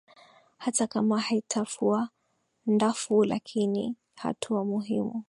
hata kama haitafua ndafu lakini hatua muhimu